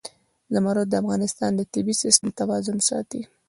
زمرد د افغانستان د طبعي سیسټم توازن ساتي.